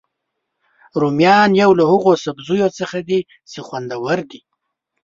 رومیان یو له هغوسبزیو څخه دي چې خوندور دي